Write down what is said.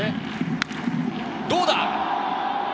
どうだ？